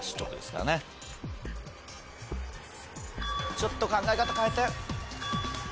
ちょっと考え方変えて。